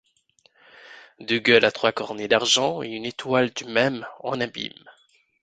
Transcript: De gueules à trois cornets d'argent, et une étoile du même, en abîme.